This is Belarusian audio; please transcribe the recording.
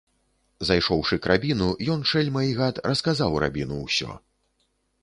Зайшоўшы к рабіну, ён, шэльма і гад, расказаў рабіну ўсё.